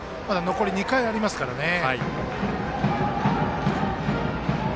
まだ残り２回ありますからね。